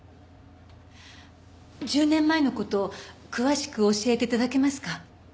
１０年前の事詳しく教えて頂けますか？